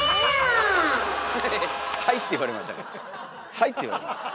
「ハイ」って言われました。